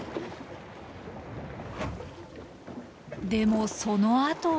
でもそのあとは。